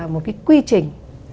một cái quy trình